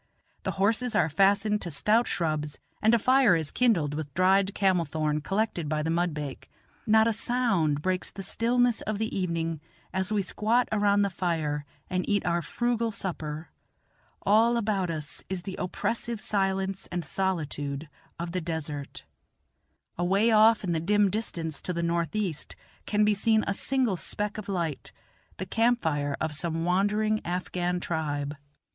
The horses are fastened to stout shrubs, and a fire is kindled with dried camel thorn collected by the mudbake. Not a sound breaks the stillness of the evening as we squat around the fire and eat our frugal supper all about us is the oppressive silence and solitude of the desert Away off in the dim distance to the northeast can be seen a single speck of light the camp fire of some wandering Afghan tribe.